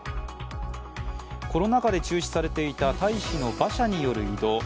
コロナ禍で中止されていた大使の馬車による移動。